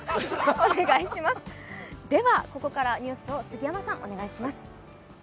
では、ここからニュースを杉山さん、お願いします。